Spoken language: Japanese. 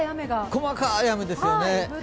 細かい雨ですよね。